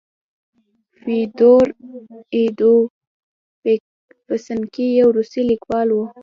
فودور اودویفسکي یو روسي لیکوال و.